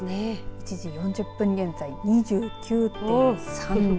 １時４０分現在２９．３度。